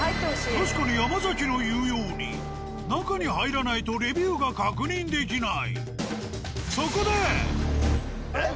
確かに山崎の言うように中に入らないとレビューが確認できない。